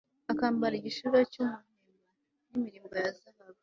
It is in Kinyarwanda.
akambara igishura cy'umuhemba n'imirimbo ya zahabu